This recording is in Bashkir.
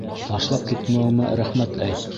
Ташлап китмәүемә рәхмәт әйт!..